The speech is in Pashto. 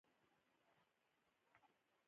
ځېګر مې درد کوي